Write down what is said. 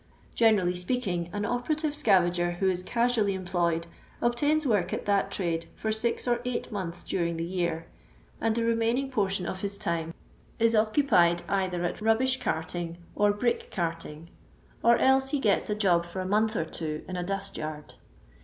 Qenerally speaking, an operative scavager who is easoally employed obtains work at that trade for six or eight months during the year, and the re maimng portion of hit time is occupied either at rubbish carting or brick carting, or else he geti a job for a month or two in a dusVynrd.